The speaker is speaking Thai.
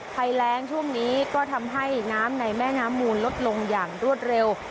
ภัยแรงช่วงนี้ก็ทำให้น้ำในแม่น้ำมูลลดลงอย่างรวดเร็ว